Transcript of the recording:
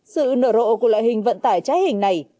sự nở rộ của loại hình vận tải trái hình này